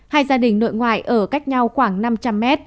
hai gia đình nội ngoại ở cách nhau khoảng năm trăm linh mét